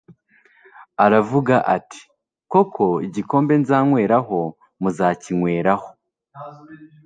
aravuga ati: «koko igikombe nzanyweraho muzakinyweraho